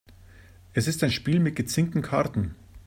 Es ist ein Spiel mit gezinkten Karten.